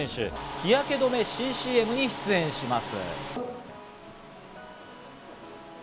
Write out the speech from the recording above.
日焼けどめ新ＣＭに出演します。